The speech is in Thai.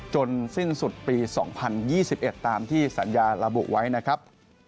จนสิ้นสุดปี๒๐๒๑ตามที่สัญญาระบุไว้นะครับ